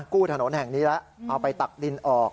ถนนแห่งนี้แล้วเอาไปตักดินออก